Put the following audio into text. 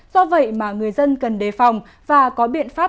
do vậy mà người dân cần đề phòng và có biện pháp